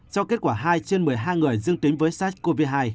cho kết quả hai trên một mươi hai người dương tính với sars cov hai